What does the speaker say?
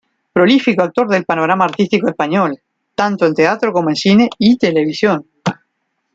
Prolífico actor del panorama artístico español, tanto en teatro como en cine y televisión.